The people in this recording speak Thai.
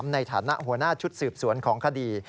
ในฐานะหัวหน้าชุดสืบสวนของคดี